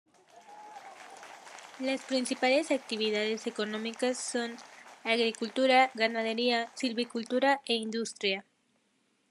Las principales actividades económicas son: agricultura, ganadería, silvicultura e industria.